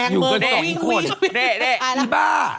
อยู่กันสองอีกคน